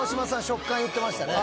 食感言ってましたね。